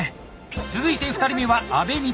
続いて２人目は安部満。